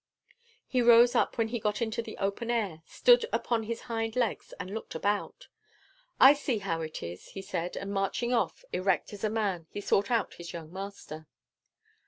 He rose up when he got into the open air, stood upon his hind legs, and looked about. "I see how it is," he said; and marching off, erect as a man, he sought out his young master.